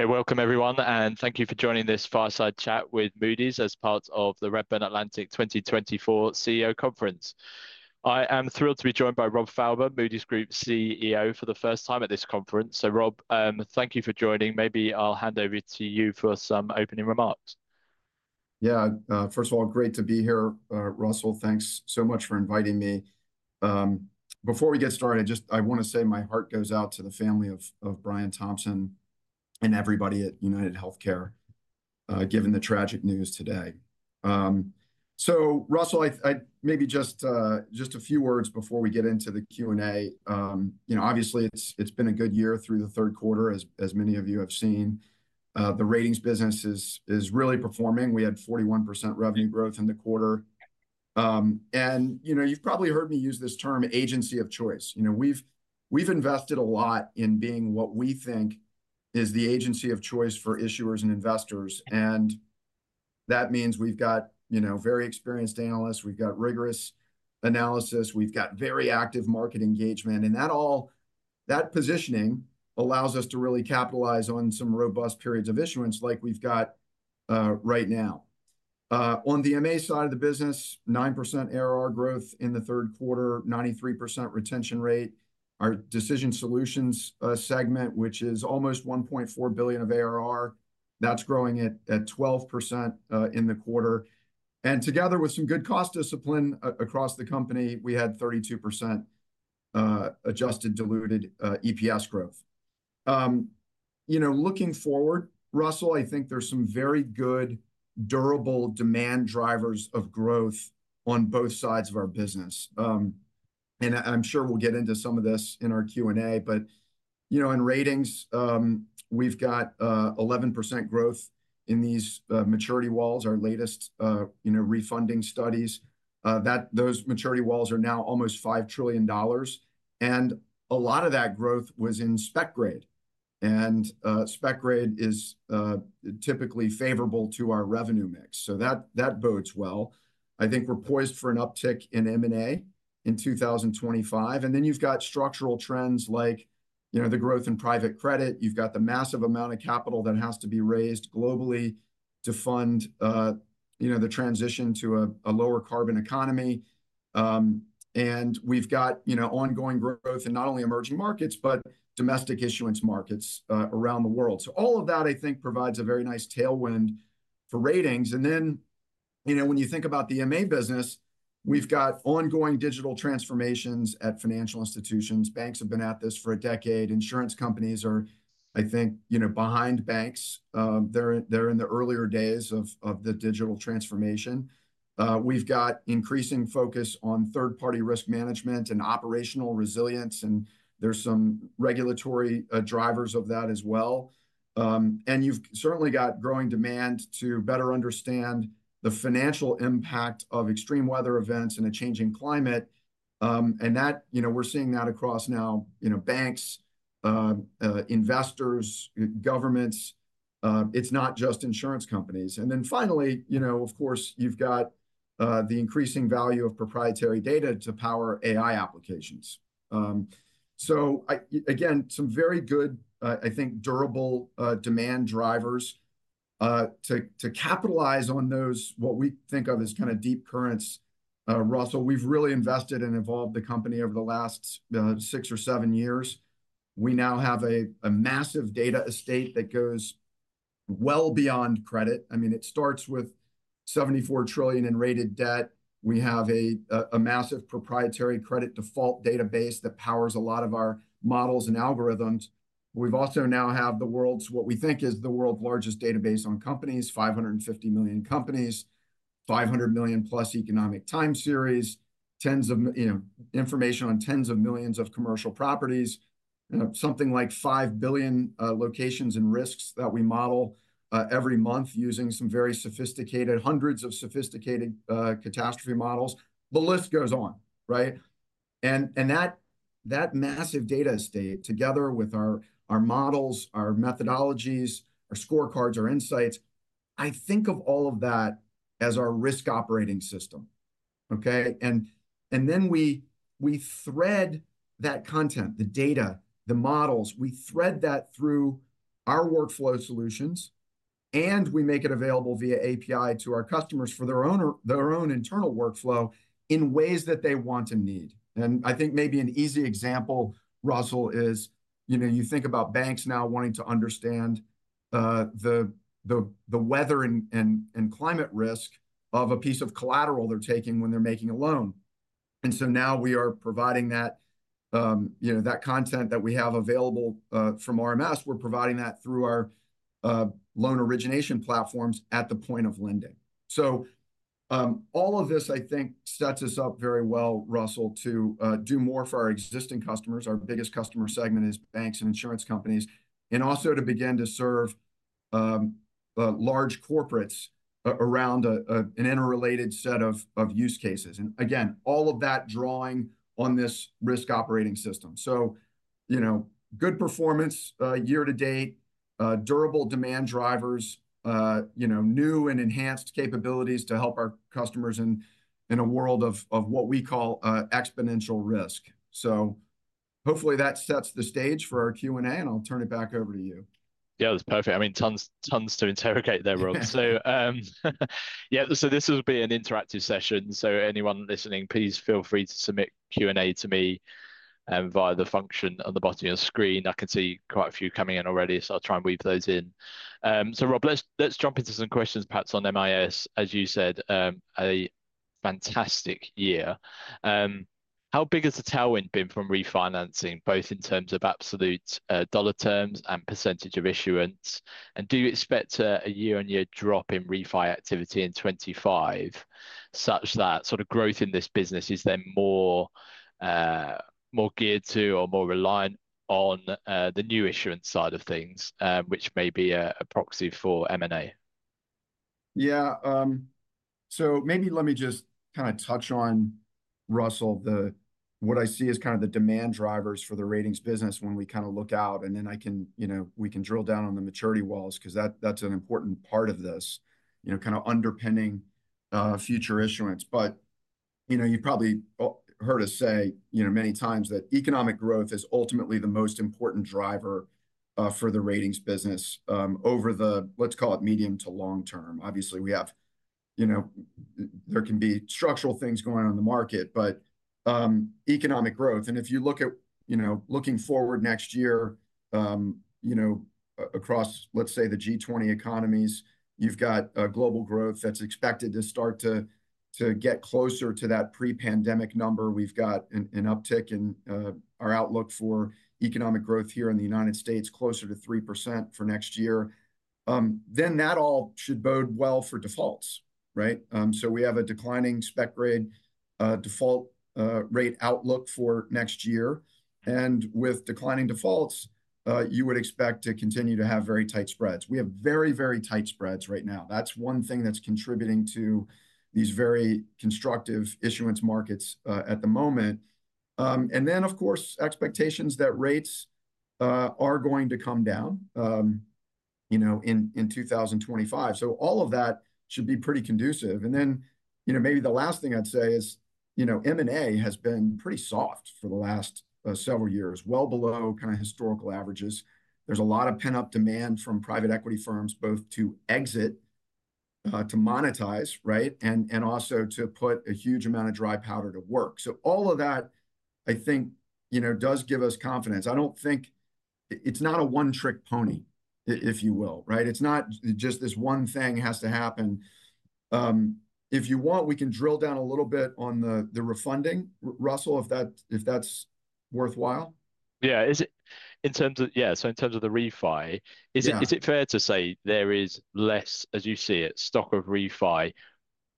Okay, welcome everyone, and thank you for joining this fireside chat with Moody's as part of the Redburn Atlantic 2024 CEO Conference. I am thrilled to be joined by Rob Fauber, Moody's Group CEO, for the first time at this conference, so Rob, thank you for joining. Maybe I'll hand over to you for some opening remarks. Yeah, first of all, great to be here. Russell, thanks so much for inviting me. Before we get started, I just, I want to say my heart goes out to the family of Brian Thompson and everybody at UnitedHealthcare given the tragic news today. Russell, maybe just a few words before we get into the Q&A. You know, obviously it's been a good year through the third quarter, as many of you have seen. The ratings business is really performing. We had 41% revenue growth in the quarter. And you've probably heard me use this term, agency of choice. We've invested a lot in being what we think is the agency of choice for issuers and investors. And that means we've got very experienced analysts, we've got rigorous analysis, we've got very active market engagement, and that positioning allows us to really capitalize on some robust periods of issuance like we've got right now. On the MA side of the business, 9% ARR growth in the third quarter, 93% retention rate. Our Decision Solutions segment, which is almost 1.4 billion of ARR, that's growing at 12% in the quarter. And together with some good cost discipline across the company, we had 32% adjusted diluted EPS growth. Looking forward, Russell, I think there's some very good durable demand drivers of growth on both sides of our business. And I'm sure we'll get into some of this in our Q&A. But in ratings, we've got 11% growth in these maturity walls, our latest refunding studies. Those maturity walls are now almost $5 trillion. And a lot of that growth was in spec grade, and spec grade is typically favorable to our revenue mix, so that bodes well. I think we're poised for an uptick in M&A in 2025, and then you've got structural trends like the growth in private credit. You've got the massive amount of capital that has to be raised globally to fund the transition to a lower carbon economy, and we've got ongoing growth in not only emerging markets, but domestic issuance markets around the world, so all of that, I think, provides a very nice tailwind for ratings, and then when you think about the MA business, we've got ongoing digital transformations at financial institutions. Banks have been at this for a decade. Insurance companies are, I think, behind banks. They're in the earlier days of the digital transformation. We've got increasing focus on third-party risk management and operational resilience, and there's some regulatory drivers of that as well, and you've certainly got growing demand to better understand the financial impact of extreme weather events and a changing climate, and we're seeing that across now, banks, investors, governments. It's not just insurance companies, and then finally, of course, you've got the increasing value of proprietary data to power AI applications, so again, some very good, I think, durable demand drivers to capitalize on those, what we think of as kind of deep currents. Russell, we've really invested and evolved the company over the last six or seven years. We now have a massive data estate that goes well beyond credit. I mean, it starts with 74 trillion in rated debt. We have a massive proprietary credit default database that powers a lot of our models and algorithms. We've also now have the world's, what we think is the world's largest database on companies, 550 million companies, 500 million plus economic time series, information on tens of millions of commercial properties, something like 5 billion locations and risks that we model every month using some very sophisticated, hundreds of sophisticated catastrophe models. The list goes on, right? And that massive data estate, together with our models, our methodologies, our scorecards, our insights, I think of all of that as our risk operating system. And then we thread that content, the data, the models, we thread that through our workflow solutions, and we make it available via API to our customers for their own internal workflow in ways that they want and need. And I think maybe an easy example, Russell, is you think about banks now wanting to understand the weather and climate risk of a piece of collateral they're taking when they're making a loan. And so now we are providing that content that we have available from RMS. We're providing that through our loan origination platforms at the point of lending. So all of this, I think, sets us up very well, Russell, to do more for our existing customers. Our biggest customer segment is banks and insurance companies, and also to begin to serve large corporates around an interrelated set of use cases. And again, all of that drawing on this risk operating system. So good performance year to date, durable demand drivers, new and enhanced capabilities to help our customers in a world of what we call exponential risk. So hopefully that sets the stage for our Q&A, and I'll turn it back over to you. Yeah, that's perfect. I mean, tons to interrogate there, Rob. Yeah, so this will be an interactive session. Anyone listening, please feel free to submit Q&A to me via the function on the bottom of your screen. I can see quite a few coming in already, so I'll try and weave those in. Rob, let's jump into some questions, perhaps on MIS. As you said, a fantastic year. How big has the tailwind been from refinancing, both in terms of absolute dollar terms and percentage of issuance? Do you expect a year-on-year drop in refi activity in 2025 such that sort of growth in this business is then more geared to or more reliant on the new issuance side of things, which may be a proxy for M&A? Yeah, so maybe let me just kind of touch on, Russell, what I see as kind of the demand drivers for the ratings business when we kind of look out, and then we can drill down on the maturity walls because that's an important part of this, kind of underpinning future issuance. But you've probably heard us say many times that economic growth is ultimately the most important driver for the ratings business over the, let's call it medium to long term. Obviously, there can be structural things going on in the market, but economic growth. And if you look forward next year across, let's say, the G20 economies, you've got global growth that's expected to start to get closer to that pre-pandemic number. We've got an uptick in our outlook for economic growth here in the United States, closer to 3% for next year. Then that all should bode well for defaults, right? So we have a declining spec grade default rate outlook for next year. And with declining defaults, you would expect to continue to have very tight spreads. We have very, very tight spreads right now. That's one thing that's contributing to these very constructive issuance markets at the moment. And then, of course, expectations that rates are going to come down in 2025. So all of that should be pretty conducive. And then maybe the last thing I'd say is M&A has been pretty soft for the last several years, well below kind of historical averages. There's a lot of pent-up demand from private equity firms both to exit, to monetize, and also to put a huge amount of dry powder to work. So all of that, I think, does give us confidence. I don't think it's not a one-trick pony, if you will, right? It's not just this one thing has to happen. If you want, we can drill down a little bit on the refunding, Russell, if that's worthwhile. Yeah, in terms of the refi, is it fair to say there is less, as you see it, stock of refi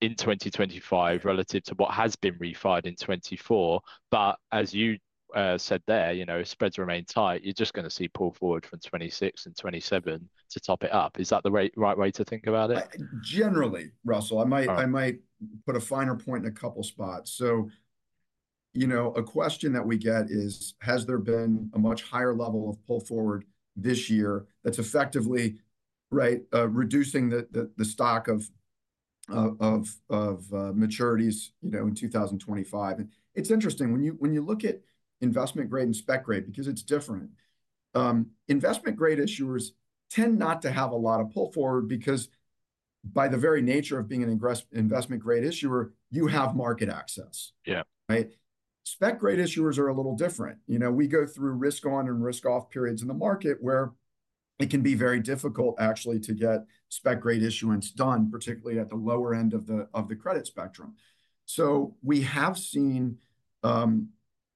in 2025 relative to what has been refi'd in 2024? But as you said there, spreads remain tight. You're just going to see pull forward from 2026 and 2027 to top it up. Is that the right way to think about it? Generally, Russell, I might put a finer point in a couple of spots. So a question that we get is, has there been a much higher level of pull forward this year that's effectively reducing the stock of maturities in 2025? And it's interesting when you look at investment grade and spec grade, because it's different. investment grade issuers tend not to have a lot of pull forward because by the very nature of being an investment grade issuer, you have market access. Yeah. Right? Spec grade issuers are a little different. We go through risk-on and risk-off periods in the market where it can be very difficult actually to get spec grade issuance done, particularly at the lower end of the credit spectrum. So we have seen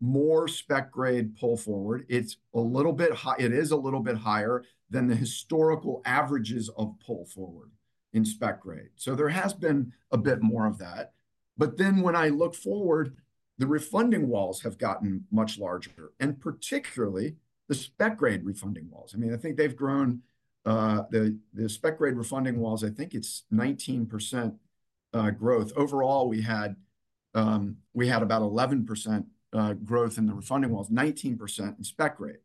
more spec grade pull forward. It's a little bit high. It is a little bit higher than the historical averages of pull forward in spec grade. So there has been a bit more of that. But then when I look forward, the refunding walls have gotten much larger, and particularly the spec grade refunding walls. I mean, I think they've grown the spec grade refunding walls, I think it's 19% growth. Overall, we had about 11% growth in the refunding walls, 19% in spec grade.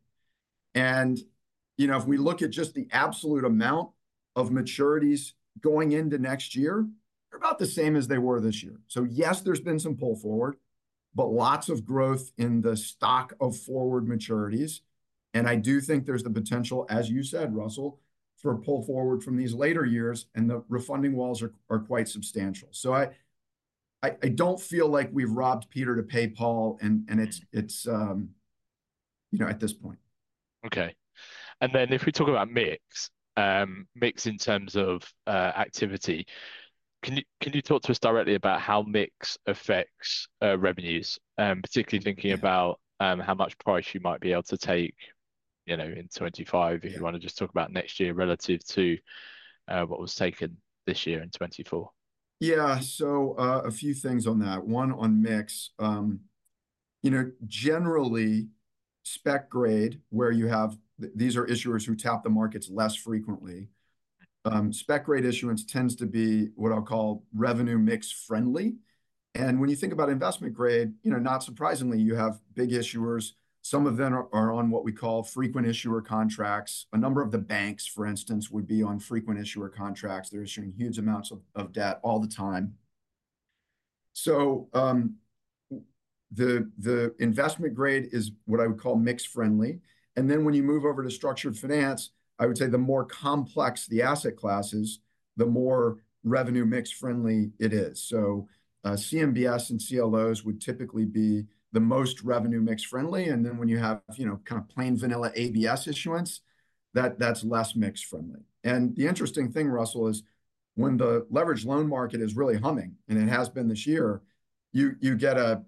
If we look at just the absolute amount of maturities going into next year, they're about the same as they were this year. Yes, there's been some pull forward, but lots of growth in the stock of forward maturities. I do think there's the potential, as you said, Russell, for pull forward from these later years, and the refunding walls are quite substantial. I don't feel like we've robbed Peter to pay Paul, and it's at this point. Okay. And then if we talk about mix in terms of activity, can you talk to us directly about how mix affects revenues, particularly thinking about how much price you might be able to take in 2025 if you want to just talk about next year relative to what was taken this year in 2024? Yeah, so a few things on that. One on mix. Generally, spec grade, where you have these are issuers who tap the markets less frequently. Spec grade issuance tends to be what I'll call revenue mix friendly. And when you think about investment grade, not surprisingly, you have big issuers. Some of them are on what we call frequent issuer contracts. A number of the banks, for instance, would be on frequent issuer contracts. They're issuing huge amounts of debt all the time. So the investment grade is what I would call mix friendly. And then when you move over to structured finance, I would say the more complex the asset classes, the more revenue mix friendly it is. So CMBS and CLOs would typically be the most revenue mix friendly. And then when you have kind of plain vanilla ABS issuance, that's less mix friendly. The interesting thing, Russell, is when the leveraged loan market is really humming, and it has been this year. You get a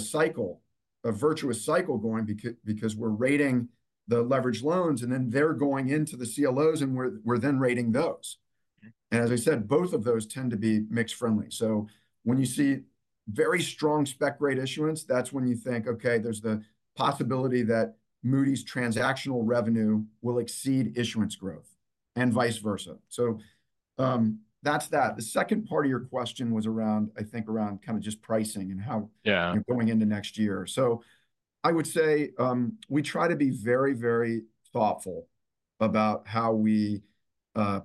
cycle, a virtuous cycle going because we're rating the leveraged loans, and then they're going into the CLOs, and we're then rating those. As I said, both of those tend to be mix friendly. When you see very strong spec grade issuance, that's when you think, okay, there's the possibility that Moody's transactional revenue will exceed issuance growth and vice versa. That's that. The second part of your question was around, I think, around kind of just pricing and how going into next year. I would say we try to be very, very thoughtful about how we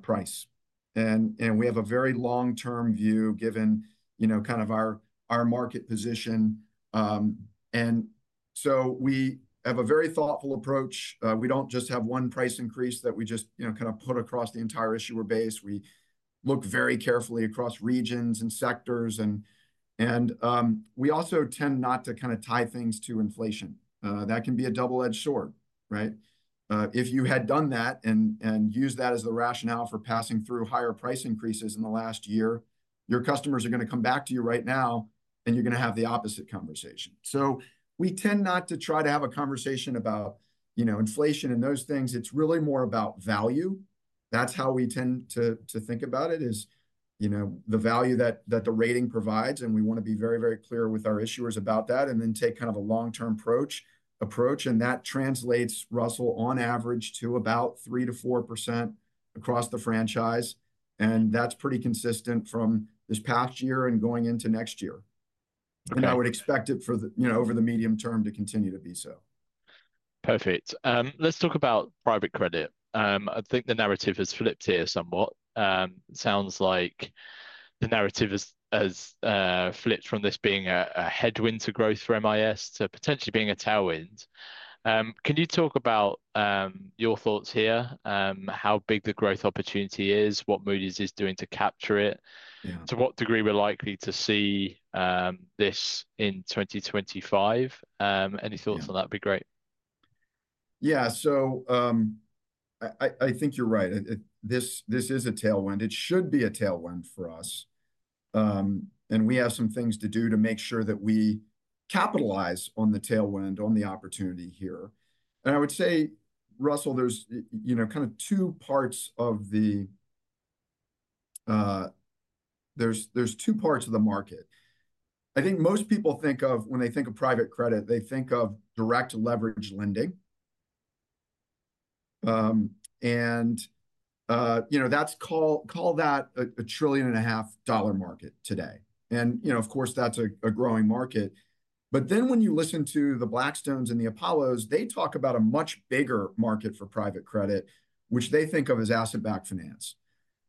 price. We have a very long-term view given kind of our market position. We have a very thoughtful approach. We don't just have one price increase that we just kind of put across the entire issuer base. We look very carefully across regions and sectors. And we also tend not to kind of tie things to inflation. That can be a double-edged sword, right? If you had done that and used that as the rationale for passing through higher price increases in the last year, your customers are going to come back to you right now, and you're going to have the opposite conversation. So we tend not to try to have a conversation about inflation and those things. It's really more about value. That's how we tend to think about it, is the value that the rating provides. And we want to be very, very clear with our issuers about that and then take kind of a long-term approach. And that translates, Russell, on average to about 3%-4% across the franchise. And that's pretty consistent from this past year and going into next year. And I would expect it over the medium term to continue to be so. Perfect. Let's talk about private credit. I think the narrative has flipped here somewhat. Sounds like the narrative has flipped from this being a headwind to growth for MIS to potentially being a tailwind. Can you talk about your thoughts here, how big the growth opportunity is, what Moody's is doing to capture it, to what degree we're likely to see this in 2025? Any thoughts on that would be great. Yeah, so I think you're right. This is a tailwind. It should be a tailwind for us. And we have some things to do to make sure that we capitalize on the tailwind, on the opportunity here. And I would say, Russell, there's kind of two parts of the market. I think most people think of when they think of private credit, they think of direct leverage lending. And that's call that a $1.5 trillion market today. And of course, that's a growing market. But then when you listen to the Blackstones and the Apollos, they talk about a much bigger market for private credit, which they think of as asset-backed finance.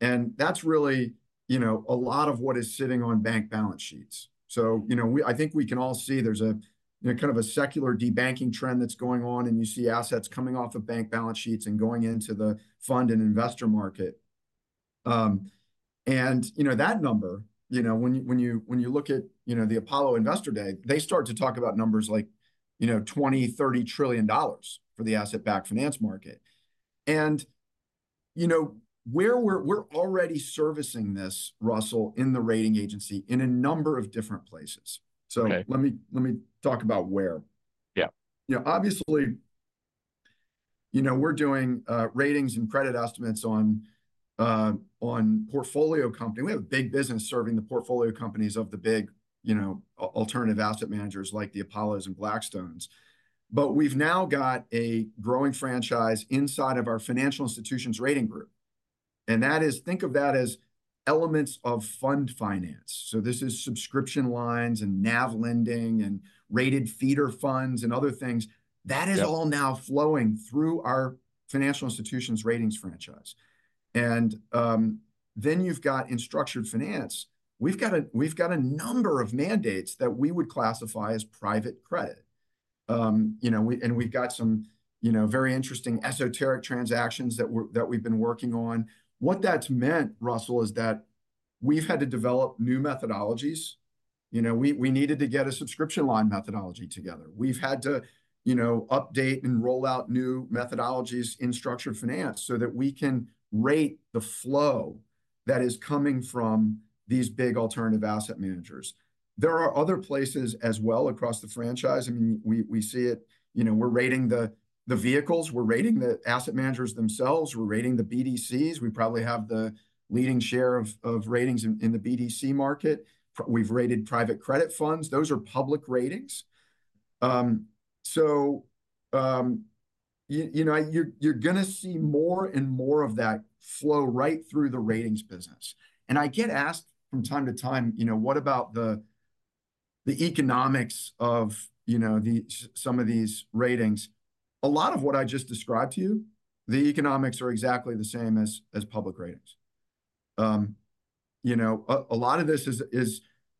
And that's really a lot of what is sitting on bank balance sheets. So I think we can all see there's kind of a secular debanking trend that's going on, and you see assets coming off of bank balance sheets and going into the fund and investor market. And that number, when you look at the Apollo Investor Day, they start to talk about numbers like $20-$30 trillion for the asset-backed finance market. And we're already servicing this, Russell, in the rating agency in a number of different places. So let me talk about where. Yeah, obviously, we're doing ratings and credit estimates on portfolio company. We have a big business serving the portfolio companies of the big alternative asset managers like the Apollos and Blackstones. But we've now got a growing franchise inside of our financial institutions rating group. And think of that as elements of fund finance. So this is subscription lines and NAV lending and rated feeder funds and other things. That is all now flowing through our financial institutions ratings franchise. And then you've got in structured finance, we've got a number of mandates that we would classify as private credit. And we've got some very interesting esoteric transactions that we've been working on. What that's meant, Russell, is that we've had to develop new methodologies. We needed to get a subscription line methodology together. We've had to update and roll out new methodologies in structured finance so that we can rate the flow that is coming from these big alternative asset managers. There are other places as well across the franchise. I mean, we see it. We're rating the vehicles. We're rating the asset managers themselves. We're rating the BDCs. We probably have the leading share of ratings in the BDC market. We've rated private credit funds. Those are public ratings. So you're going to see more and more of that flow right through the ratings business. And I get asked from time to time, what about the economics of some of these ratings? A lot of what I just described to you, the economics are exactly the same as public ratings. A lot of this is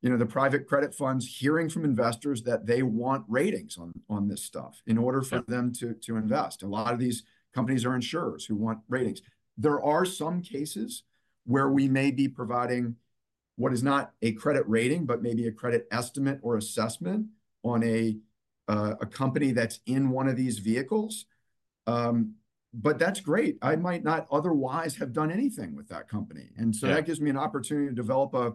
the private credit funds hearing from investors that they want ratings on this stuff in order for them to invest. A lot of these companies are insurers who want ratings. There are some cases where we may be providing what is not a credit rating, but maybe a credit estimate or assessment on a company that's in one of these vehicles. But that's great. I might not otherwise have done anything with that company. And so that gives me an opportunity to develop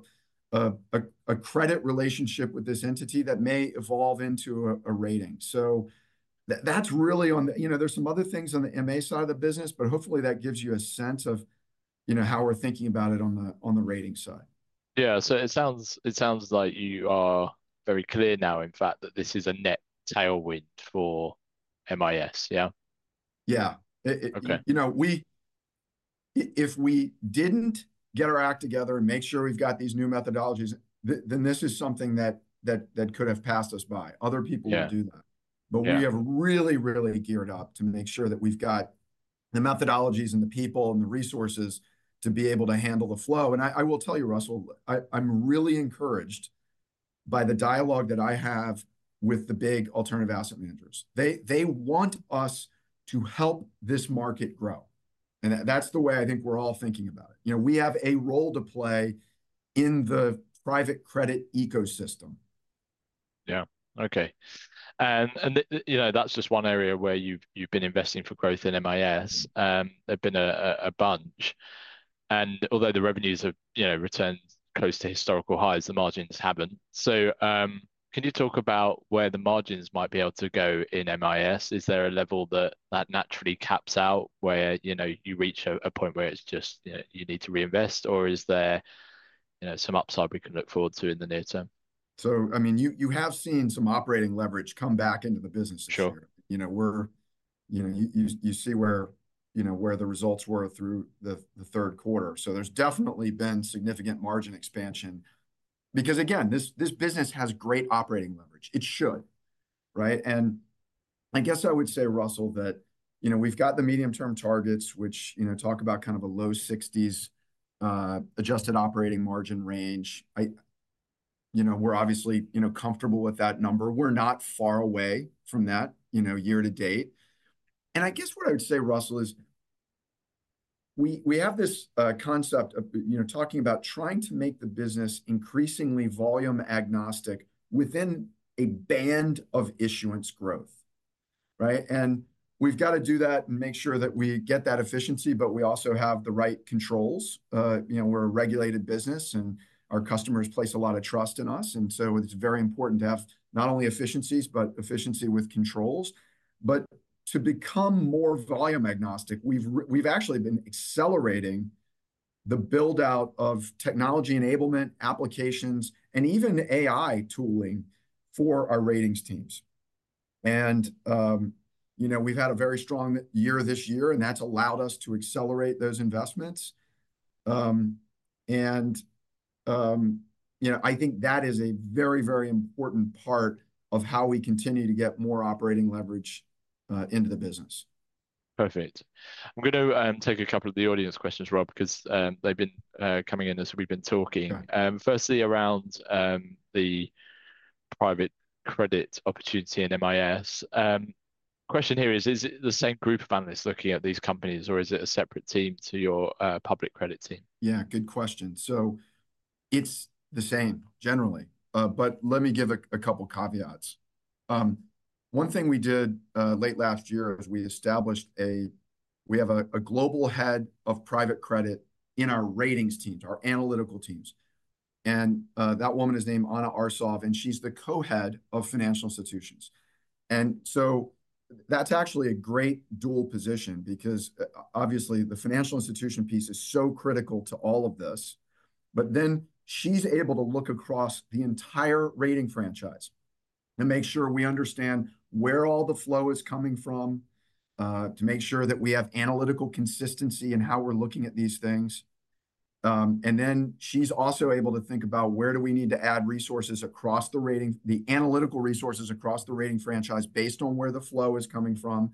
a credit relationship with this entity that may evolve into a rating. So that's really on the rating side. There's some other things on the M&A side of the business, but hopefully that gives you a sense of how we're thinking about it on the rating side. Yeah, so it sounds like you are very clear now, in fact, that this is a net tailwind for MIS, yeah? Yeah. If we didn't get our act together and make sure we've got these new methodologies, then this is something that could have passed us by. Other people would do that. But we have really, really geared up to make sure that we've got the methodologies and the people and the resources to be able to handle the flow. And I will tell you, Russell, I'm really encouraged by the dialogue that I have with the big alternative asset managers. They want us to help this market grow. And that's the way I think we're all thinking about it. We have a role to play in the private credit ecosystem. Yeah, okay. And that's just one area where you've been investing for growth in MIS. There have been a bunch. And although the revenues have returned close to historical highs, the margins haven't. So can you talk about where the margins might be able to go in MIS? Is there a level that naturally caps out where you reach a point where it's just you need to reinvest? Or is there some upside we can look forward to in the near term? So I mean, you have seen some operating leverage come back into the business this year. You see where the results were through the third quarter, so there's definitely been significant margin expansion. Because again, this business has great operating leverage. It should, right? I guess I would say, Russell, that we've got the medium-term targets, which talk about kind of a low 60s adjusted operating margin range. We're obviously comfortable with that number. We're not far away from that year to date. I guess what I would say, Russell, is we have this concept of talking about trying to make the business increasingly volume agnostic within a band of issuance growth, right? We've got to do that and make sure that we get that efficiency, but we also have the right controls. We're a regulated business, and our customers place a lot of trust in us. And so it's very important to have not only efficiencies, but efficiency with controls. But to become more volume agnostic, we've actually been accelerating the build-out of technology enablement applications and even AI tooling for our ratings teams. And we've had a very strong year this year, and that's allowed us to accelerate those investments. And I think that is a very, very important part of how we continue to get more operating leverage into the business. Perfect. I'm going to take a couple of the audience questions, Rob, because they've been coming in as we've been talking. Firstly, around the private credit opportunity in MIS. Question here is, is it the same group of analysts looking at these companies, or is it a separate team to your public credit team? Yeah, good question. So it's the same generally. But let me give a couple of caveats. One thing we did late last year is we established a global head of private credit in our ratings teams, our analytical teams. And that woman is named Anna Arsov, and she's the co-head of financial institutions. And so that's actually a great dual position because obviously the financial institution piece is so critical to all of this. But then she's able to look across the entire rating franchise to make sure we understand where all the flow is coming from, to make sure that we have analytical consistency in how we're looking at these things. And then she's also able to think about where we need to add resources across the rating, the analytical resources across the rating franchise based on where the flow is coming from,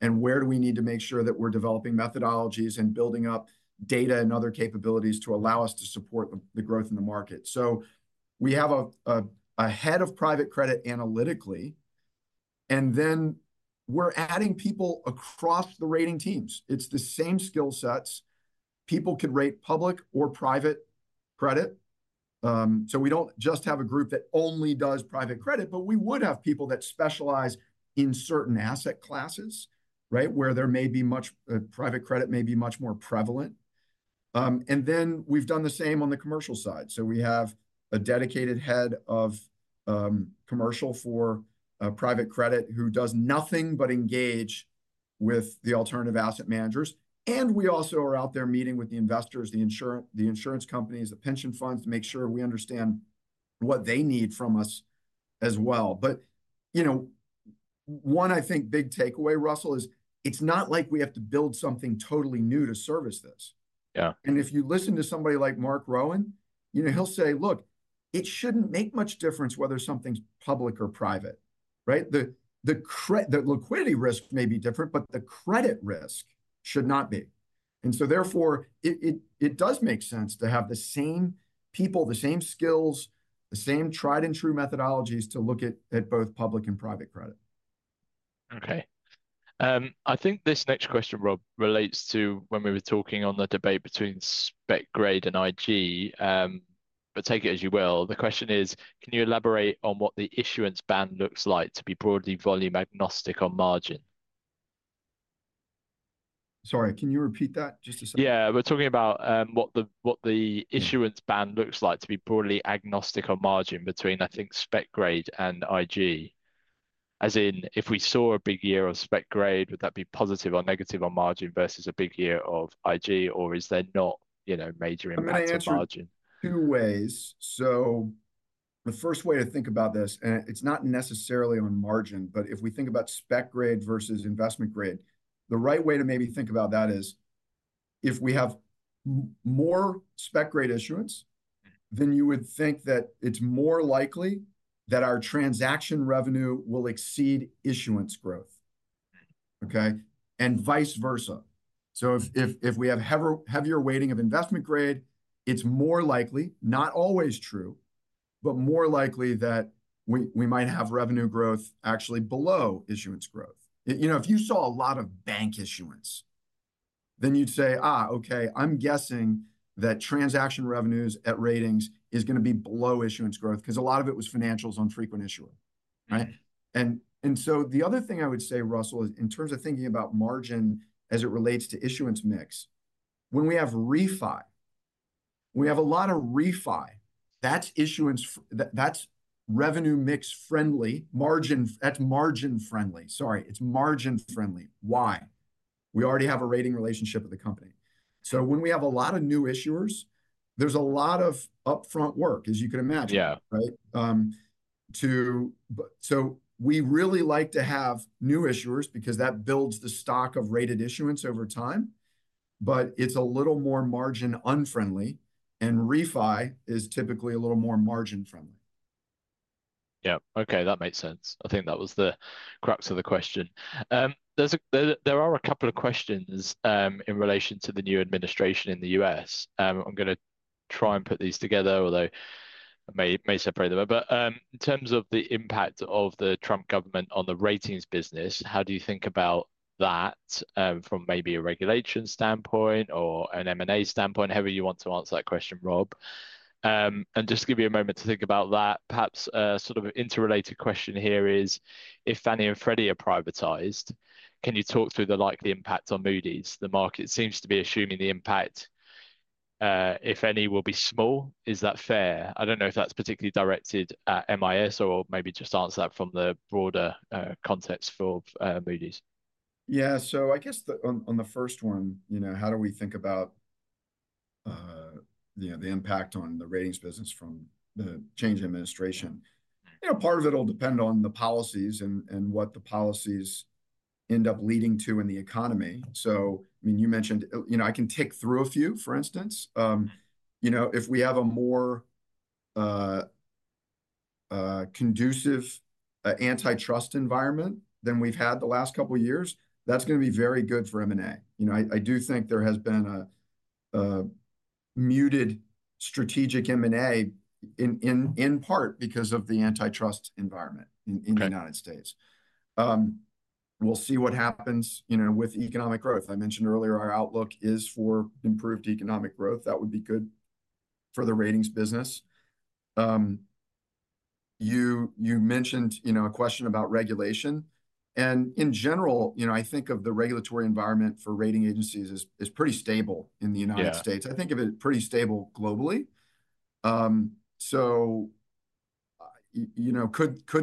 and where we need to make sure that we're developing methodologies and building up data and other capabilities to allow us to support the growth in the market. So we have a head of private credit analytically, and then we're adding people across the rating teams. It's the same skill sets. People could rate public or private credit. So we don't just have a group that only does private credit, but we would have people that specialize in certain asset classes, right, where there may be much private credit, may be much more prevalent. And then we've done the same on the commercial side. So we have a dedicated head of commercial for private credit who does nothing but engage with the alternative asset managers. And we also are out there meeting with the investors, the insurance companies, the pension funds to make sure we understand what they need from us as well. But one, I think, big takeaway, Russell, is it's not like we have to build something totally new to service this. And if you listen to somebody like Marc Rowan, he'll say, look, it shouldn't make much difference whether something's public or private, right? The liquidity risk may be different, but the credit risk should not be. And so therefore, it does make sense to have the same people, the same skills, the same tried and true methodologies to look at both public and private credit. Okay. I think this next question, Rob, relates to when we were talking on the debate between spec grade and IG, but take it as you will. The question is, can you elaborate on what the issuance band looks like to be broadly volume agnostic on margin? Sorry, can you repeat that just a second? Yeah, we're talking about what the issuance band looks like to be broadly agnostic on margin between, I think, spec grade and IG. As in, if we saw a big year of spec grade, would that be positive or negative on margin versus a big year of IG, or is there not major impact on margin? I'm going to answer it two ways. So the first way to think about this, and it's not necessarily on margin, but if we think about spec grade versus investment grade, the right way to maybe think about that is if we have more spec grade issuance, then you would think that it's more likely that our transaction revenue will exceed issuance growth, okay? And vice versa. So if we have heavier weighting of investment grade, it's more likely, not always true, but more likely that we might have revenue growth actually below issuance growth. If you saw a lot of bank issuance, then you'd say, okay, I'm guessing that transaction revenues at ratings is going to be below issuance growth because a lot of it was financials on frequent issuer, right? And so the other thing I would say, Russell, is in terms of thinking about margin as it relates to issuance mix, when we have refi, when we have a lot of refi, that's revenue mix friendly, margin, that's margin friendly, sorry, it's margin friendly. Why? We already have a rating relationship with the company. So when we have a lot of new issuers, there's a lot of upfront work, as you can imagine, right? So we really like to have new issuers because that builds the stock of rated issuance over time, but it's a little more margin unfriendly, and refi is typically a little more margin friendly. Yeah, okay, that makes sense. I think that was the crux of the question. There are a couple of questions in relation to the new administration in the U.S. I'm going to try and put these together, although it may separate them. But in terms of the impact of the Trump government on the ratings business, how do you think about that from maybe a regulation standpoint or an M&A standpoint? However you want to answer that question, Rob, and just give you a moment to think about that. Perhaps a sort of interrelated question here is, if Fannie and Freddie are privatized, can you talk through the likely impact on Moody's? The market seems to be assuming the impact, if any, will be small. Is that fair? I don't know if that's particularly directed at MIS or maybe just answer that from the broader context for Moody's. Yeah, so I guess on the first one, how do we think about the impact on the ratings business from the change in administration? Part of it will depend on the policies and what the policies end up leading to in the economy. So I mean, you mentioned I can tick through a few, for instance. If we have a more conducive antitrust environment than we've had the last couple of years, that's going to be very good for M&A. I do think there has been a muted strategic M&A in part because of the antitrust environment in the United States. We'll see what happens with economic growth. I mentioned earlier our outlook is for improved economic growth. That would be good for the ratings business. You mentioned a question about regulation. In general, I think of the regulatory environment for rating agencies as pretty stable in the United States. I think of it pretty stable globally. Could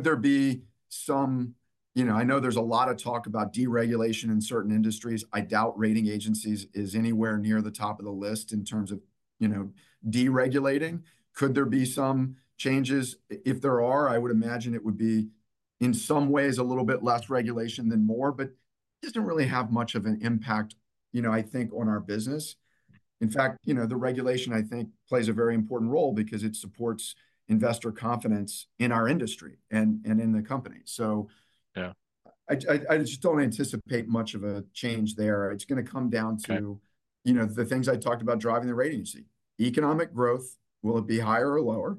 there be some? I know there's a lot of talk about deregulation in certain industries. I doubt rating agencies is anywhere near the top of the list in terms of deregulating. Could there be some changes? If there are, I would imagine it would be in some ways a little bit less regulation than more, but it doesn't really have much of an impact, I think, on our business. In fact, the regulation, I think, plays a very important role because it supports investor confidence in our industry and in the company. I just don't anticipate much of a change there. It's going to come down to the things I talked about driving the ratings. Economic growth, will it be higher or lower?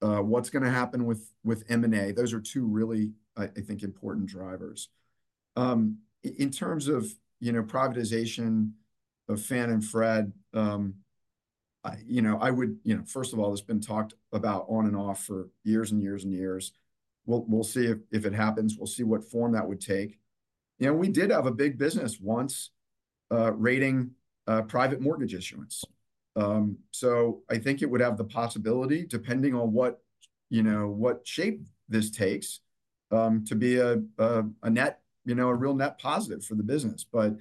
What's going to happen with M&A? Those are two really, I think, important drivers. In terms of privatization of Fannie Mae and Freddie Mac, I would, first of all, it's been talked about on and off for years and years and years. We'll see if it happens. We'll see what form that would take. We did have a big business once rating private mortgage issuance. So I think it would have the possibility, depending on what shape this takes, to be a real net positive for the business. But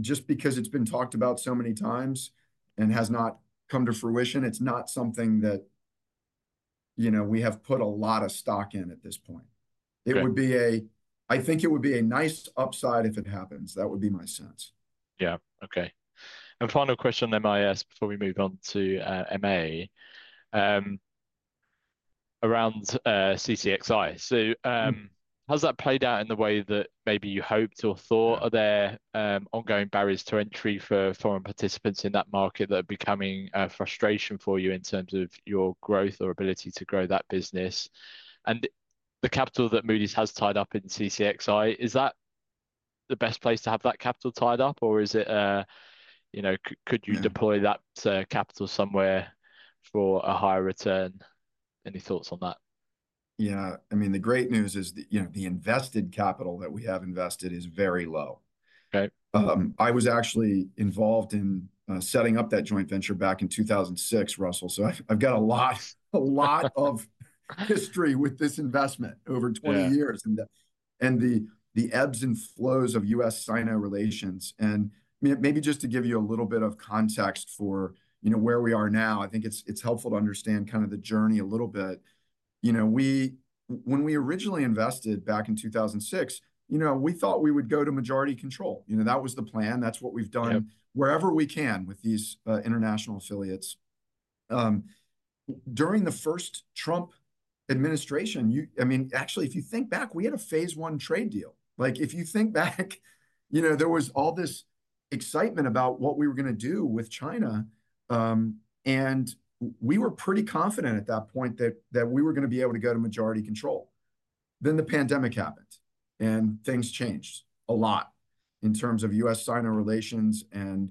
just because it's been talked about so many times and has not come to fruition, it's not something that we have put a lot of stock in at this point. It would be a, I think it would be a nice upside if it happens. That would be my sense. Yeah, okay. And the final question that I ask before we move on to MA around CCXI. So has that played out in the way that maybe you hoped or thought? Are there ongoing barriers to entry for foreign participants in that market that are becoming a frustration for you in terms of your growth or ability to grow that business? And the capital that Moody's has tied up in CCXI, is that the best place to have that capital tied up, or could you deploy that capital somewhere for a higher return? Any thoughts on that? Yeah, I mean, the great news is the invested capital that we have invested is very low. I was actually involved in setting up that joint venture back in 2006, Russell. So I've got a lot of history with this investment over 20 years and the ebbs and flows of U.S.-Sino relations, and maybe just to give you a little bit of context for where we are now, I think it's helpful to understand kind of the journey a little bit. When we originally invested back in 2006, we thought we would go to majority control. That was the plan. That's what we've done wherever we can with these international affiliates. During the first Trump administration, I mean, actually, if you think back, we had a phase one trade deal. If you think back, there was all this excitement about what we were going to do with China. We were pretty confident at that point that we were going to be able to go to majority control. Then the pandemic happened, and things changed a lot in terms of U.S.-Sino relations and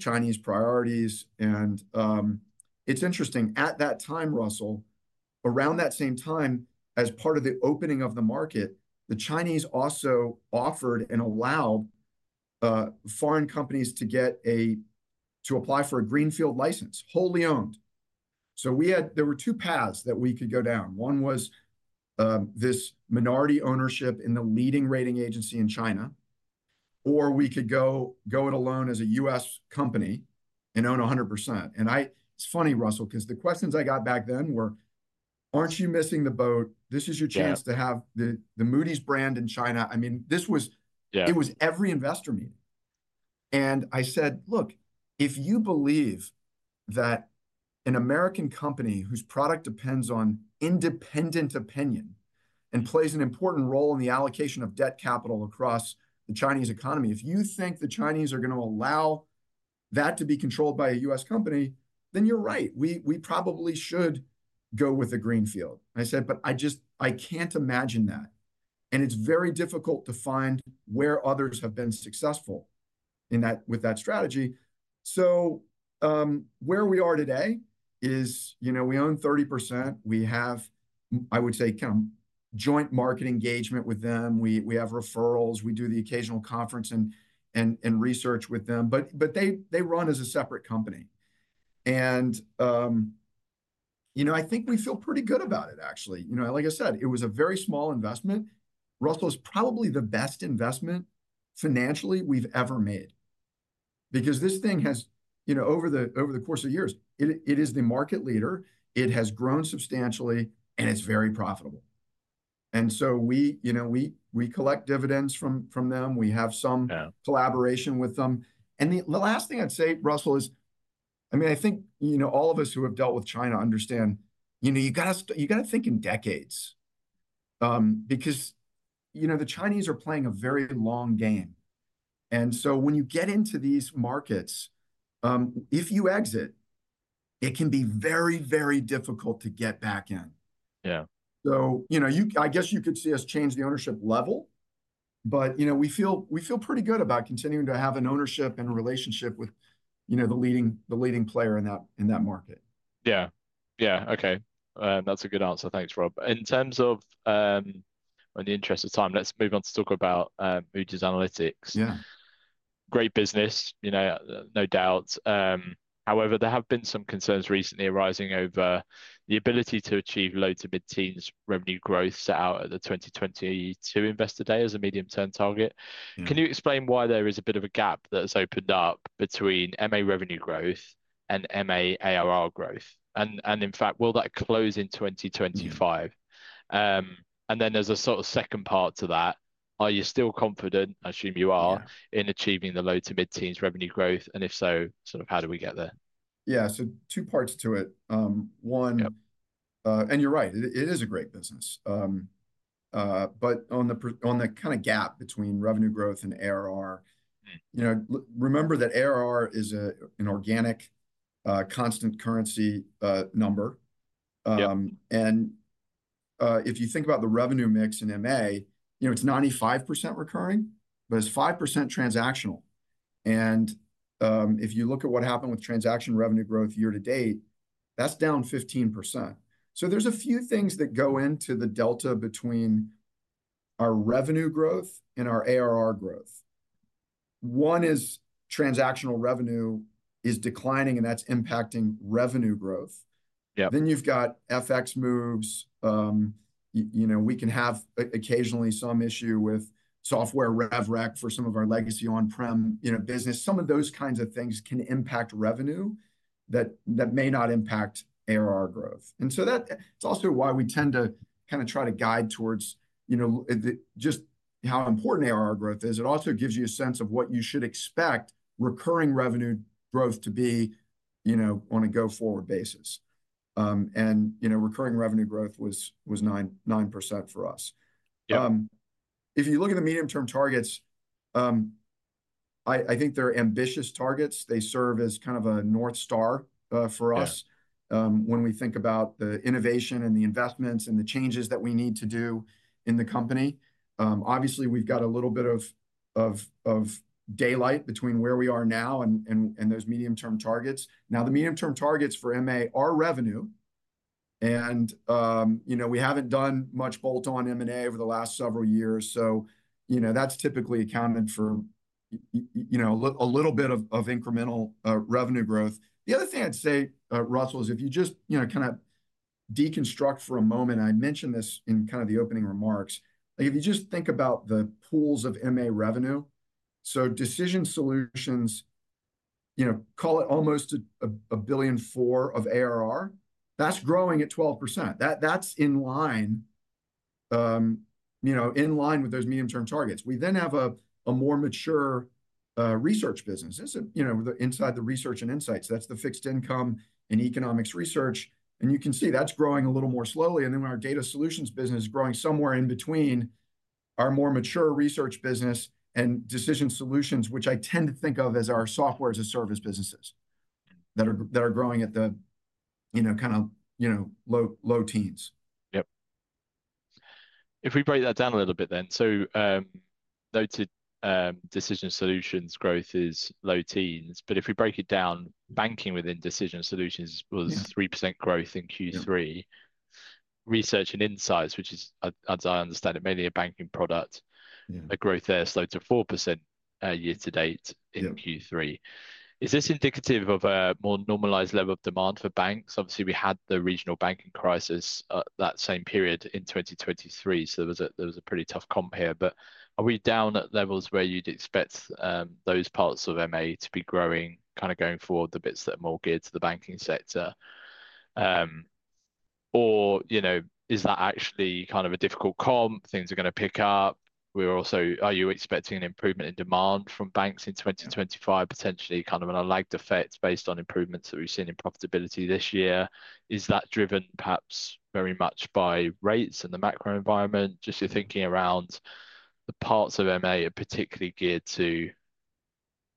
Chinese priorities. And it's interesting, at that time, Russell, around that same time, as part of the opening of the market, the Chinese also offered and allowed foreign companies to apply for a greenfield license, wholly owned. So there were two paths that we could go down. One was this minority ownership in the leading rating agency in China, or we could go it alone as a U.S. company and own 100%. And it's funny, Russell, because the questions I got back then were, aren't you missing the boat? This is your chance to have the Moody's brand in China. I mean, it was every investor meeting. And I said, look, if you believe that an American company whose product depends on independent opinion and plays an important role in the allocation of debt capital across the Chinese economy, if you think the Chinese are going to allow that to be controlled by a U.S. company, then you're right. We probably should go with the greenfield. I said, but I can't imagine that. And it's very difficult to find where others have been successful with that strategy. So where we are today is we own 30%. We have, I would say, kind of joint market engagement with them. We have referrals. We do the occasional conference and research with them. But they run as a separate company. And I think we feel pretty good about it, actually. Like I said, it was a very small investment. CCXI is probably the best investment financially we've ever made because this thing has, over the course of years, it is the market leader. It has grown substantially, and it's very profitable. And so we collect dividends from them. We have some collaboration with them. And the last thing I'd say, Russell, is, I mean, I think all of us who have dealt with China understand you got to think in decades because the Chinese are playing a very long game. And so when you get into these markets, if you exit, it can be very, very difficult to get back in. So I guess you could see us change the ownership level, but we feel pretty good about continuing to have an ownership and relationship with the leading player in that market. Yeah, yeah, okay. That's a good answer. Thanks, Rob. In terms of, in the interest of time, let's move on to talk about Moody's Analytics. Great business, no doubt. However, there have been some concerns recently arising over the ability to achieve low to mid-teens revenue growth set out at the 2022 Investor Day as a medium-term target. Can you explain why there is a bit of a gap that has opened up between MA revenue growth and MA ARR growth? And in fact, will that close in 2025? And then there's a sort of second part to that. Are you still confident, I assume you are, in achieving the low to mid-teens revenue growth? And if so, sort of how do we get there? Yeah, so two parts to it. One, and you're right, it is a great business. But on the kind of gap between revenue growth and ARR, remember that ARR is an organic, constant currency number. And if you think about the revenue mix in MA, it's 95% recurring, but it's 5% transactional. And if you look at what happened with transaction revenue growth year to date, that's down 15%. So there's a few things that go into the delta between our revenue growth and our ARR growth. One is transactional revenue is declining, and that's impacting revenue growth. Then you've got FX moves. We can have occasionally some issue with software rev rec for some of our legacy on-prem business. Some of those kinds of things can impact revenue that may not impact ARR growth. And so that's also why we tend to kind of try to guide towards just how important ARR growth is. It also gives you a sense of what you should expect recurring revenue growth to be on a go-forward basis. And recurring revenue growth was 9% for us. If you look at the medium-term targets, I think they're ambitious targets. They serve as kind of a North Star for us when we think about the innovation and the investments and the changes that we need to do in the company. Obviously, we've got a little bit of daylight between where we are now and those medium-term targets. Now, the medium-term targets for MA are revenue. And we haven't done much bolt-on M&A over the last several years. So that's typically accounted for a little bit of incremental revenue growth. The other thing I'd say, Russell, is if you just kind of deconstruct for a moment, and I mentioned this in kind of the opening remarks, if you just think about the pools of MA revenue, so Decision Solutions call it almost $1.4 billion of ARR, that's growing at 12%. That's in line with those medium-term targets. We then have a more mature research business. It's inside the Research and Insights. That's the fixed income and economics research. And you can see that's growing a little more slowly. And then our Data Solutions business is growing somewhere in between our more mature research business and Decision Solutions, which I tend to think of as our software as a service businesses that are growing at the kind of low teens. Yep. If we break that down a little bit then, so noted Decision Solutions growth is low teens. But if we break it down, banking within Decision Solutions was 3% growth in Q3. Research and Insights, which is, as I understand it, mainly a banking product, growth there slowed to 4% year to date in Q3. Is this indicative of a more normalized level of demand for banks? Obviously, we had the regional banking crisis at that same period in 2023. So there was a pretty tough comp here. But are we down at levels where you'd expect those parts of MA to be growing, kind of going forward, the bits that are more geared to the banking sector? Or is that actually kind of a difficult comp? Things are going to pick up. Are you expecting an improvement in demand from banks in 2025, potentially kind of a lagged effect based on improvements that we've seen in profitability this year? Is that driven perhaps very much by rates and the macro environment? Just your thinking around the parts of MA are particularly geared to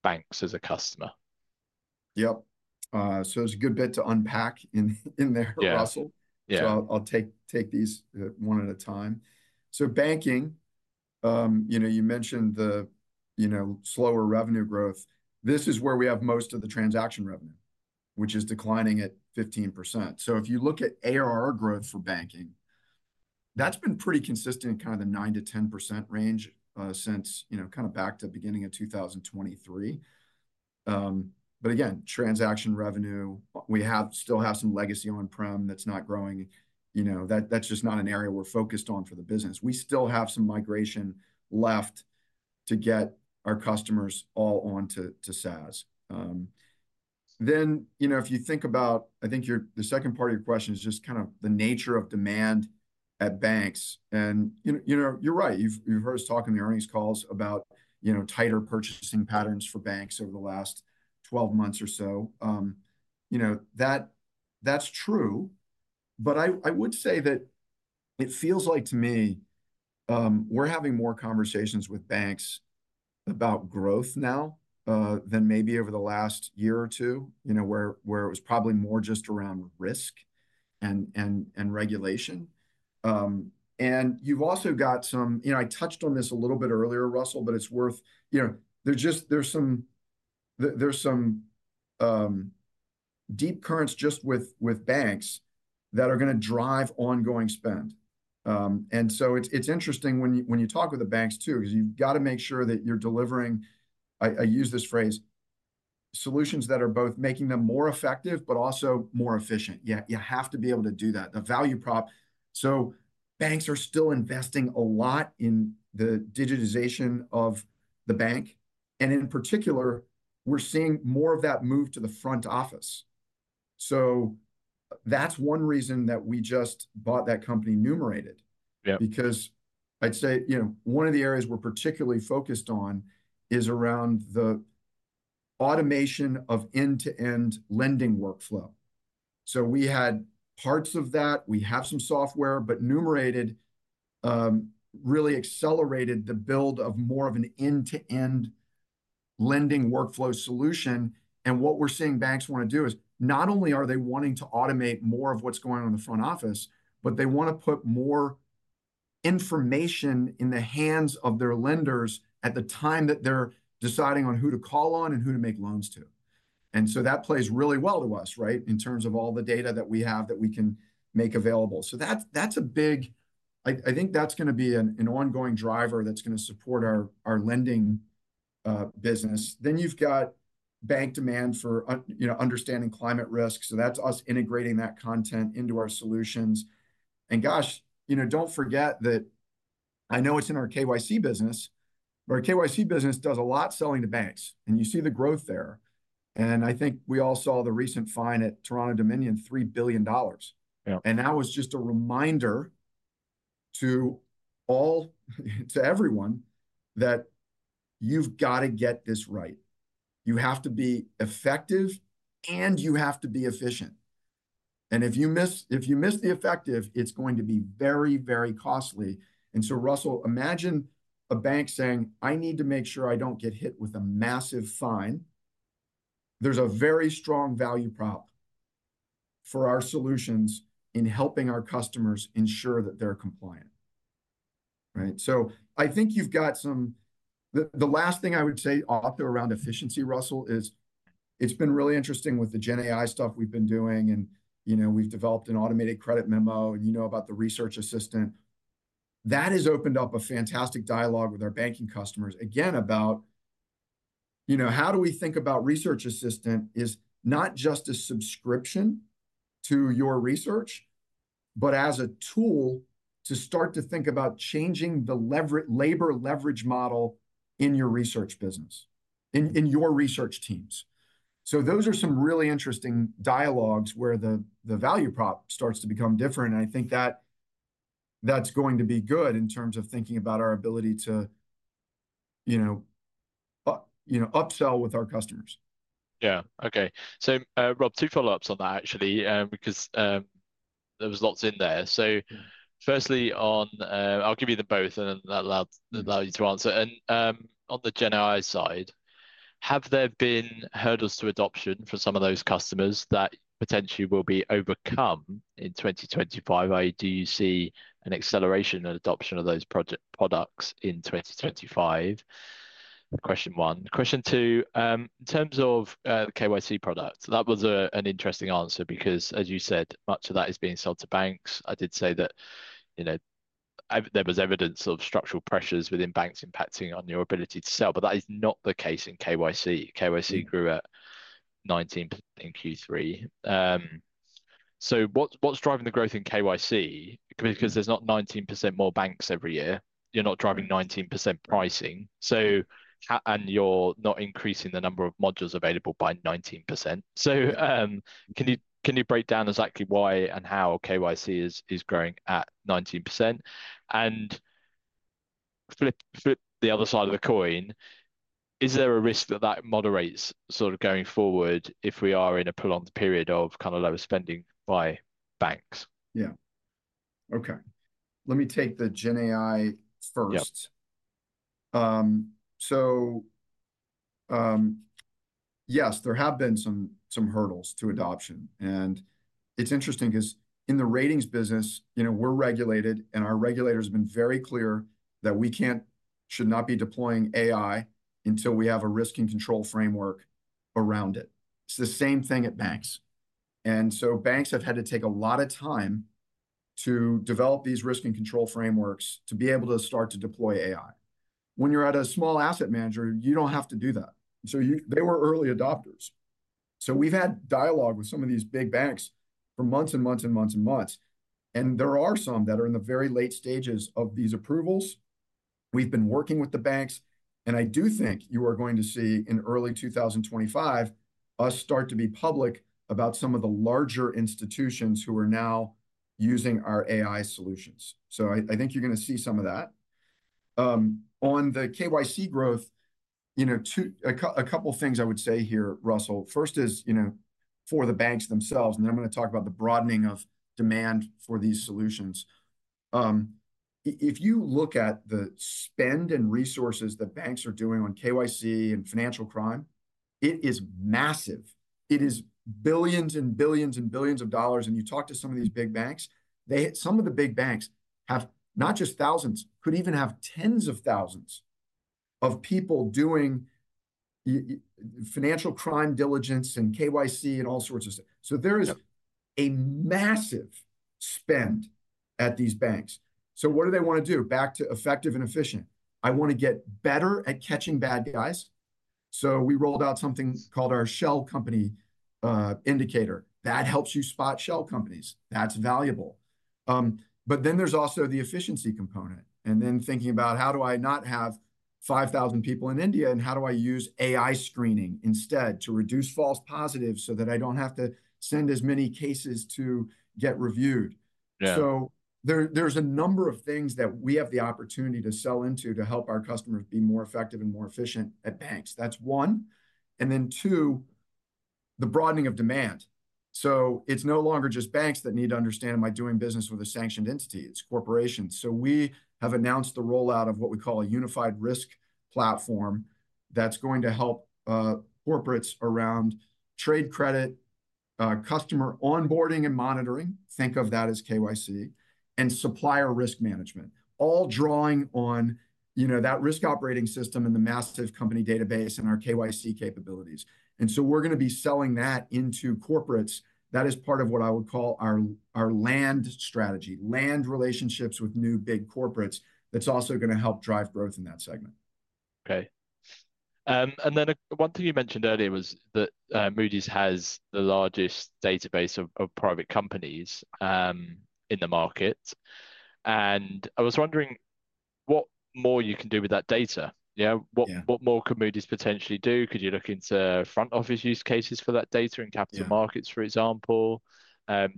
banks as a customer. Yep. So it's a good bit to unpack in there, Russell. So I'll take these one at a time. So banking, you mentioned the slower revenue growth. This is where we have most of the transaction revenue, which is declining at 15%. So if you look at ARR growth for banking, that's been pretty consistent in kind of the 9%-10% range since kind of back to the beginning of 2023. But again, transaction revenue, we still have some legacy on-prem that's not growing. That's just not an area we're focused on for the business. We still have some migration left to get our customers all on to SaaS. Then if you think about, I think the second part of your question is just kind of the nature of demand at banks. And you're right. You've heard us talk in the earnings calls about tighter purchasing patterns for banks over the last 12 months or so. That's true. But I would say that it feels like to me we're having more conversations with banks about growth now than maybe over the last year or two, where it was probably more just around risk and regulation. And you've also got some, I touched on this a little bit earlier, Russell, but it's worth, there's some deep currents just with banks that are going to drive ongoing spend. And so it's interesting when you talk with the banks too, because you've got to make sure that you're delivering, I use this phrase, solutions that are both making them more effective, but also more efficient. You have to be able to do that. The value prop. So banks are still investing a lot in the digitization of the bank. And in particular, we're seeing more of that move to the front office. So that's one reason that we just bought that company Numerated, because I'd say one of the areas we're particularly focused on is around the automation of end-to-end lending workflow. So we had parts of that. We have some software, but Numerated really accelerated the build of more of an end-to-end lending workflow solution. And what we're seeing banks want to do is not only are they wanting to automate more of what's going on in the front office, but they want to put more information in the hands of their lenders at the time that they're deciding on who to call on and who to make loans to. And so that plays really well to us, right, in terms of all the data that we have that we can make available. So that's a big, I think that's going to be an ongoing driver that's going to support our lending business. Then you've got bank demand for understanding climate risk. So that's us integrating that content into our solutions. And gosh, don't forget that I know it's in our KYC business, but our KYC business does a lot selling to banks. And you see the growth there. And I think we all saw the recent fine at Toronto-Dominion, $3 billion. And that was just a reminder to everyone that you've got to get this right. You have to be effective, and you have to be efficient. And if you miss the effective, it's going to be very, very costly. And so, Russell, imagine a bank saying, "I need to make sure I don't get hit with a massive fine." There's a very strong value prop for our solutions in helping our customers ensure that they're compliant. So I think you've got some, the last thing I would say also around efficiency, Russell, is it's been really interesting with the GenAI stuff we've been doing. And we've developed an automated credit memo. And you know about the Research Assistant. That has opened up a fantastic dialogue with our banking customers, again, about how do we think about Research Assistant is not just a subscription to your research, but as a tool to start to think about changing the labor leverage model in your research business, in your research teams. So those are some really interesting dialogues where the value prop starts to become different. I think that that's going to be good in terms of thinking about our ability to upsell with our customers. Yeah, okay. So, Rob, two follow-ups on that, actually, because there was lots in there. So firstly, I'll give you the both, and then that'll allow you to answer. And on the GenAI side, have there been hurdles to adoption for some of those customers that potentially will be overcome in 2025? Do you see an acceleration and adoption of those products in 2025? Question one. Question two, in terms of the KYC product, that was an interesting answer because, as you said, much of that is being sold to banks. I did say that there was evidence of structural pressures within banks impacting on your ability to sell. But that is not the case in KYC. KYC grew at 19% in Q3. So what's driving the growth in KYC? Because there's not 19% more banks every year, you're not driving 19% pricing, and you're not increasing the number of modules available by 19%. So can you break down exactly why and how KYC is growing at 19%? And flip the other side of the coin, is there a risk that that moderates sort of going forward if we are in a prolonged period of kind of lower spending by banks? Yeah. Okay. Let me take the GenAI first. So yes, there have been some hurdles to adoption, and it's interesting because in the ratings business, we're regulated, and our regulators have been very clear that we should not be deploying AI until we have a risk and control framework around it. It's the same thing at banks, and so banks have had to take a lot of time to develop these risk and control frameworks to be able to start to deploy AI. When you're at a small asset manager, you don't have to do that, so they were early adopters, so we've had dialogue with some of these big banks for months and months and months and months, and there are some that are in the very late stages of these approvals. We've been working with the banks. I do think you are going to see in early 2025 us start to be public about some of the larger institutions who are now using our AI solutions. I think you're going to see some of that. On the KYC growth, a couple of things I would say here, Russell. First is for the banks themselves, and then I'm going to talk about the broadening of demand for these solutions. If you look at the spend and resources that banks are doing on KYC and financial crime, it is massive. It is billions and billions and billions of dollars. You talk to some of these big banks, some of the big banks have not just thousands, could even have tens of thousands of people doing financial crime diligence and KYC and all sorts of stuff. There is a massive spend at these banks. What do they want to do? Back to effective and efficient. I want to get better at catching bad guys. We rolled out something called our Shell Company Indicator. That helps you spot shell companies. That's valuable. Then there's also the efficiency component. Then, thinking about how do I not have 5,000 people in India, and how do I use AI screening instead to reduce false positives so that I don't have to send as many cases to get reviewed. There's a number of things that we have the opportunity to sell into to help our customers be more effective and more efficient at banks. That's one. Then two, the broadening of demand. It's no longer just banks that need to understand, "Am I doing business with a sanctioned entity?" It's corporations. We have announced the rollout of what we call a Unified Risk Platform that's going to help corporates around trade credit, customer onboarding and monitoring, think of that as KYC, and supplier risk management, all drawing on that risk operating system and the massive company database and our KYC capabilities. And so we're going to be selling that into corporates. That is part of what I would call our land strategy, land relationships with new big corporates that's also going to help drive growth in that segment. Okay. And then one thing you mentioned earlier was that Moody's has the largest database of private companies in the market. And I was wondering what more you can do with that data. What more could Moody's potentially do? Could you look into front office use cases for that data in capital markets, for example?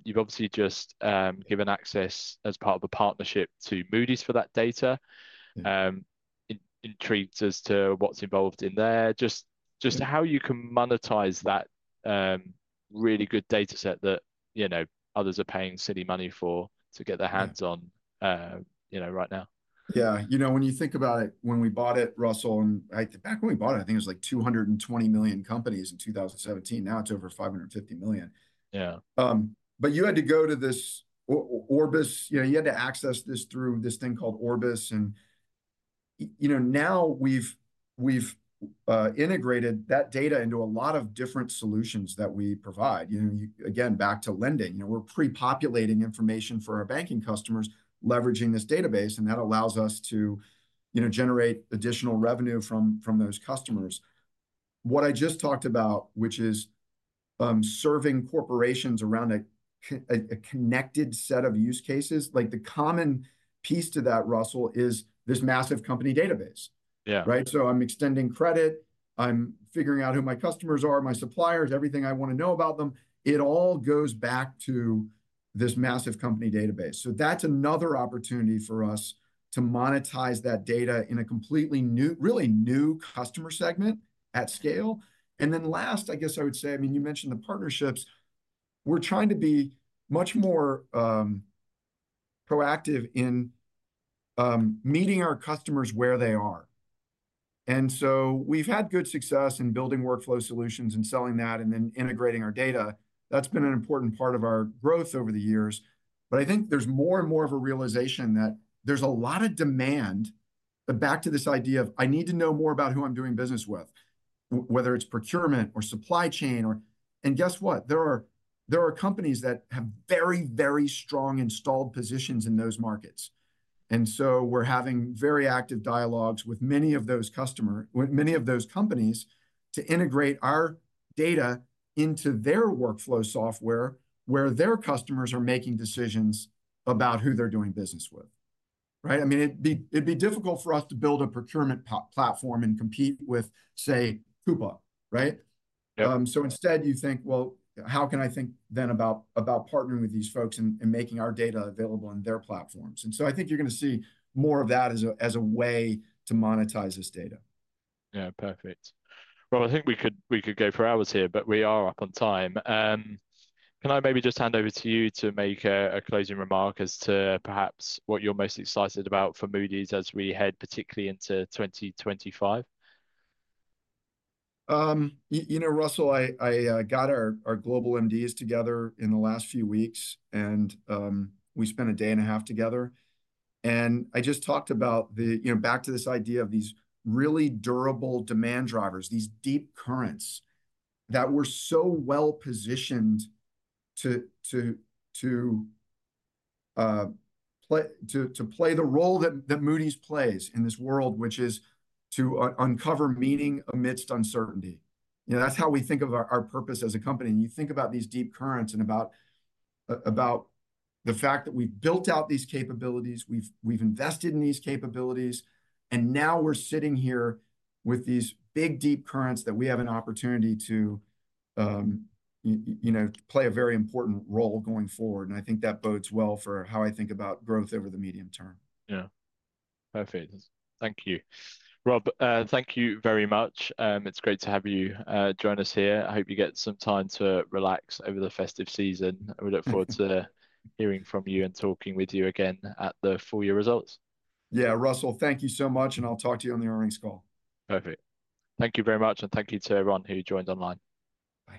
You've obviously just given access as part of a partnership to Moody's for that data. Intrigued as to what's involved in there, just how you can monetize that really good data set that others are paying silly money for to get their hands on right now. Yeah. You know, when you think about it, when we bought it, Russell, and back when we bought it, I think it was like 220 million companies in 2017. Now it's over 550 million, but you had to go to this Orbis. You had to access this through this thing called Orbis, and now we've integrated that data into a lot of different solutions that we provide. Again, back to lending. We're pre-populating information for our banking customers, leveraging this database, and that allows us to generate additional revenue from those customers. What I just talked about, which is serving corporations around a connected set of use cases, like the common piece to that, Russell, is this massive company database, so I'm extending credit. I'm figuring out who my customers are, my suppliers, everything I want to know about them. It all goes back to this massive company database. So that's another opportunity for us to monetize that data in a completely new, really new customer segment at scale. And then last, I guess I would say, I mean, you mentioned the partnerships. We're trying to be much more proactive in meeting our customers where they are. And so we've had good success in building workflow solutions and selling that and then integrating our data. That's been an important part of our growth over the years. But I think there's more and more of a realization that there's a lot of demand. But back to this idea of, "I need to know more about who I'm doing business with," whether it's procurement or supply chain. And guess what? There are companies that have very, very strong installed positions in those markets. And so we're having very active dialogues with many of those customers, many of those companies to integrate our data into their workflow software where their customers are making decisions about who they're doing business with. I mean, it'd be difficult for us to build a procurement platform and compete with, say, Coupa, right? So instead, you think, "Well, how can I think then about partnering with these folks and making our data available in their platforms?" And so I think you're going to see more of that as a way to monetize this data. Yeah, perfect. Rob, I think we could go for hours here, but we are up on time. Can I maybe just hand over to you to make a closing remark as to perhaps what you're most excited about for Moody's as we head particularly into 2025? You know, Russell, I got our global MDs together in the last few weeks, and we spent a day and a half together. And I just talked about the, back to this idea of these really durable demand drivers, these deep currents that were so well positioned to play the role that Moody's plays in this world, which is to uncover meaning amidst uncertainty. That's how we think of our purpose as a company. And you think about these deep currents and about the fact that we've built out these capabilities, we've invested in these capabilities, and now we're sitting here with these big deep currents that we have an opportunity to play a very important role going forward. And I think that bodes well for how I think about growth over the medium term. Yeah. Perfect. Thank you. Rob, thank you very much. It's great to have you join us here. I hope you get some time to relax over the festive season. We look forward to hearing from you and talking with you again at the full year results. Yeah, Russell, thank you so much, and I'll talk to you on the earnings call. Perfect. Thank you very much. And thank you to everyone who joined online.